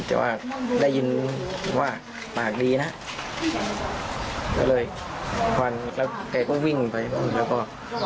แต่ว่าได้ยินว่าปากดีนะก็เลยควันแล้วแกก็วิ่งไปแล้วก็